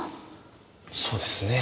そうですね。